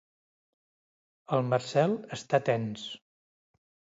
El Marcel està tens.